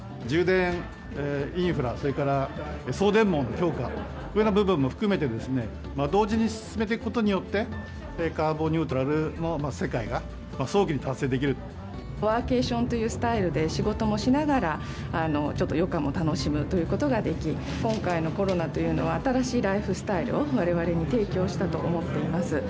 充電インフラ、それから送電網の強化、このような部分も含めてですね、同時に進めていくことによって、カーボンニュートラルの世界が早期に達成ワーケーションというスタイルで仕事もしながら、ちょっと余暇も楽しむということができ、今回のコロナというのは、新しいライフスタイルをわれわれに提供したと思っています。